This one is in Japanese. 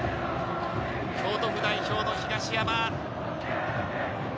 京都府代表の東山。